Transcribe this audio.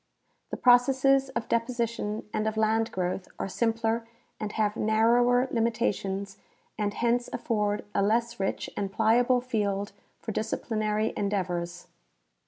The processes of deposi tion and of land growth are simpler and have narrower limita tions and hence aff"orcl a less rich and pliable field for disciplinary endeavors.